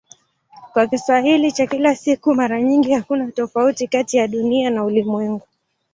Kwa Kiswahili cha kila siku mara nyingi hakuna tofauti kati ya "Dunia" na "ulimwengu".